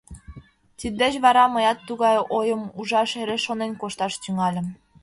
Тиддеч вара мыят тугай ойым ужаш эре шонен кошташ тӱҥальым.